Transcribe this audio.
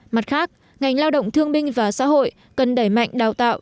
mặt khác ngành lao động thương binh và xã hội cần đẩy mạnh đào tạo